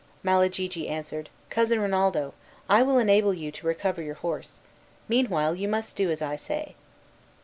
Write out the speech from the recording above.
Malagigi answered, "Cousin Rinaldo, I will enable you to recover your horse. Meanwhile, you must do as I say."